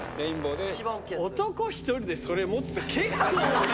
男１人でそれ持つって結構。